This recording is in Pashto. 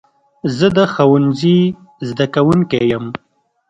زه د ښوونځي زده کوونکی یم.